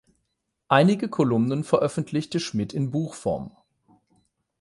Einige Kolumnen veröffentlichte Schmidt in Buchform.